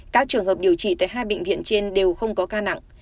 các trường hợp điều trị tại hai bệnh viện trên đều không có ca nặng